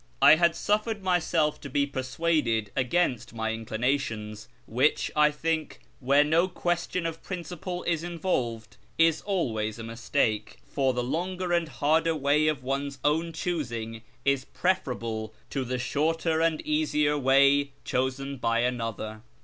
I had suffered myself to be persuaded against my inclinations, which, I think, where no question of principle is involved, is always a mistake, for the longer and harder way of one's own choosing is preferable to the shorter and easier way chosen by another.